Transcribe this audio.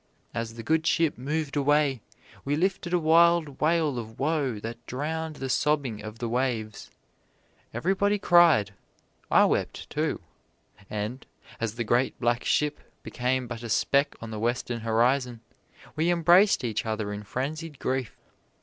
As the good ship moved away we lifted a wild wail of woe that drowned the sobbing of the waves. Everybody cried I wept, too and as the great, black ship became but a speck on the Western horizon we embraced each other in frenzied grief.